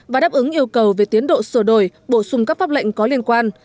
và đáp ứng yêu cầu về tiến độ sửa đổi bổ sung các pháp lệnh có liên quan